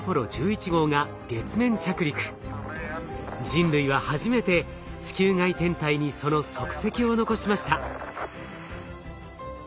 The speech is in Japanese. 人類は初めて地球外天体にその足跡を残しました。